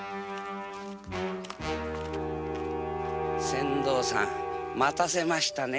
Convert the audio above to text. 船頭さん待たせましたね。